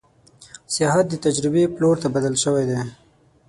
سیاحت د تجربې پلور ته بدل شوی دی.